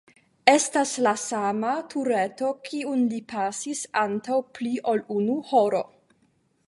Estas la sama tureto, kiun li pasis antaŭ pli ol unu horo.